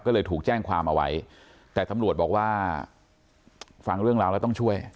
ก็เลยถูกแจ้งความเอาไว้แต่ตำรวจบอกว่าฟังเรื่องราวแล้วต้องช่วย